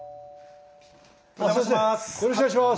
お邪魔します！